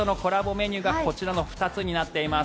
メニューがこちらの２つになっています。